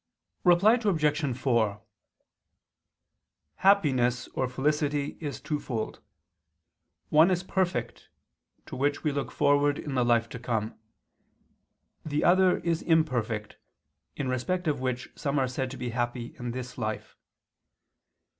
Reply Obj. 4: Happiness or felicity is twofold. One is perfect, to which we look forward in the life to come; the other is imperfect, in respect of which some are said to be happy in this life.